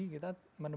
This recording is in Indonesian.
jadi kita bisa mencari